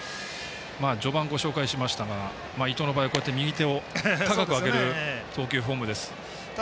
序盤、ご紹介しましたが伊藤の場合は右手を高く上げる投球フォームです。